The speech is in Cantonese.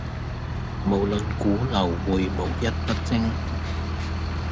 無論股樓匯無一不精